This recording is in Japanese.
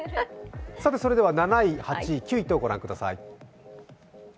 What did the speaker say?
それでは７位、８位、９位とご覧ください。